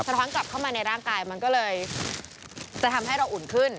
ท้อนกลับเข้ามาในร่างกายมันก็เลยจะทำให้เราอุ่นขึ้น